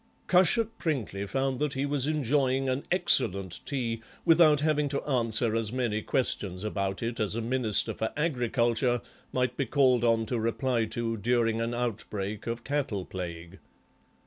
Cushat Prinkly found that he was enjoying an excellent tea without having to answer as many questions about it as a Minister for Agriculture might be called on to reply to during an outbreak of cattle plague.